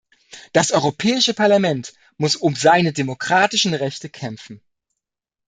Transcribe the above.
Das Europäische Parlament muss um seine demokratischen Rechte kämpfen.